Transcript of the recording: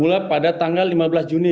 pula pada tanggal lima belas juni